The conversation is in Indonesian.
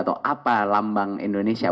atau apa lambang indonesia